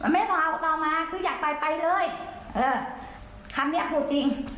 ไม่ต้องเอาต่อมาคืออยากไปไปเลยเออคำเนี้ยพูดจริง